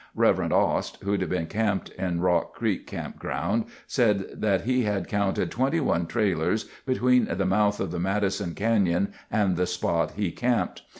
Rev. Ost, who'd been camped in Rock Creek Campground, said that he had counted 21 trailers between the mouth of the Madison Canyon and the spot he camped.